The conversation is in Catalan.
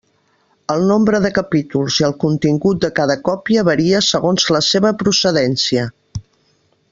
El nombre de capítols i el contingut de cada còpia varia segons la seva procedència.